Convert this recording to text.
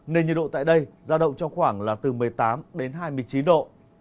nền nhiệt độ tại đây ra động cho khoảng là từ một mươi tám đến hai mươi chín độ